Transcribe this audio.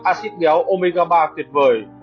acid béo omega ba tuyệt vời